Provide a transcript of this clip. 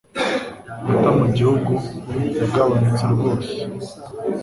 amata mu gihugu yagabanutse rwose